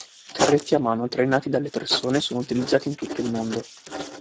Carretti a mano trainati dalle persone sono utilizzati in tutto il mondo.